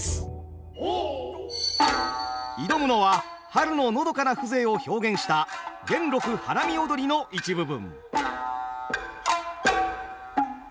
挑むのは春ののどかな風情を表現した「元禄花見踊」の一部分。